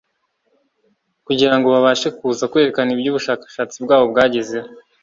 Kugira ngo babashe kuza kwerekana ibyo ubushakashatsi bwabo bwagezeho